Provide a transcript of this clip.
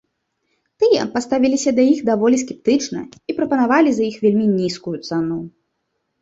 Тыя паставіліся да іх даволі скептычна і прапанавалі за іх вельмі нізкую цану.